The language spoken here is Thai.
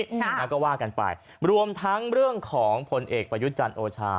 แล้วก็ว่ากันไปรวมทั้งเรื่องของผลเอกประยุทธ์จันทร์โอชา